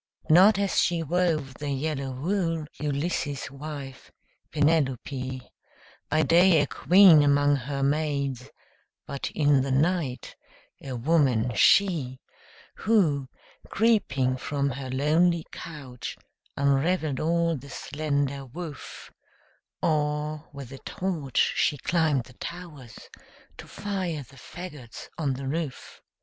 Not as she wove the yellow wool, Ulysses' wife, Penelope; By day a queen among her maids, But in the night a woman, she, Who, creeping from her lonely couch, Unraveled all the slender woof; Or, with a torch, she climbed the towers, To fire the fagots on the roof!